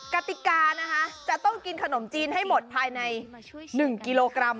กติกานะคะจะต้องกินขนมจีนให้หมดภายใน๑กิโลกรัม